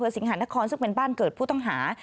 สิงหานครซึ่งเป็นบ้านเกิดผู้ต้องหา